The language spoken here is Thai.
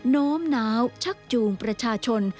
โน้มน้าวชักจูงประชาชน